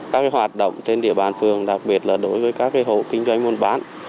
các hoạt động trên địa bàn phương đặc biệt là đối với các hộ kinh doanh môn bán